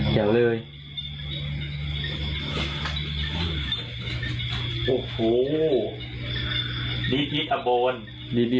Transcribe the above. คือจากแม้กระดูกแล้วถ้ากระดูกเป็นอย่างเงี้ย